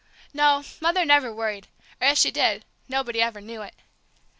No, Mother never worried, or if she did, nobody ever knew it.